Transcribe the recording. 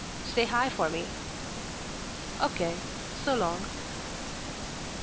"Say 'Hi' for me." "O.K. So long."